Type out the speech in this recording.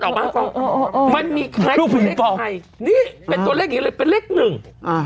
เขาบอกว่านี่มันออกมาฟอง